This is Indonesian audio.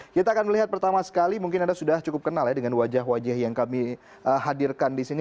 kita akan melihat pertama sekali mungkin anda sudah cukup kenal ya dengan wajah wajah yang kami hadirkan di sini